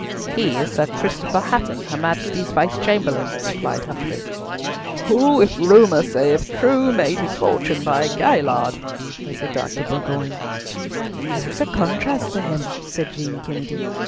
"He is Sir Christopher Hatton, her Majesty's Vice Chamberlain," replied Humfrey. "Who, if rumour saith true, made his fortune by a galliard," said Dr. Bourgoin. "Here is a contrast to him," said Jean Kennedy.